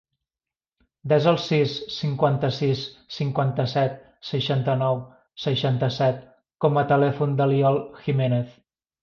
Desa el sis, cinquanta-sis, cinquanta-set, seixanta-nou, seixanta-set com a telèfon de l'Iol Jimenez.